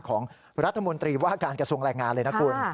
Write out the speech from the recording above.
ของรัฐมนตรีว่าการกระทรวงแรงงานเลยนะคุณ